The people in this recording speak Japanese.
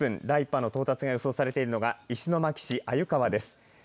第１波の到達が予想されているのが石巻市鮎川です。